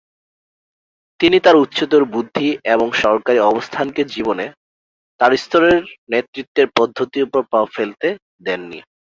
তিনি তাঁর উচ্চতর বুদ্ধি এবং সরকারী অবস্থানকে জীবনে তাঁর স্তরের নেতৃত্বের পদ্ধতির উপর প্রভাব ফেলতে দেননি।